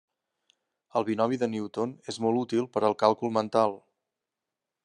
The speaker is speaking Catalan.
El Binomi de Newton és molt útil per al càlcul mental.